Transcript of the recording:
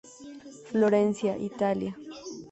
Florencia, Italia.